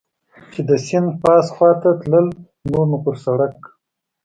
چې د سیند پاس خوا ته تلل، نور نو پر سړک.